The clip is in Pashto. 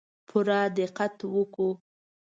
پوره دقت وکړو.